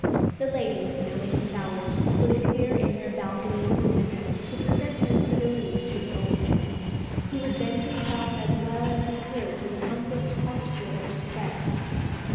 The ladies, knowing his hours, would appear in their balconies or windows to present their civilities to the old man, who would bend himself as well as he could to the humblest posture of respect.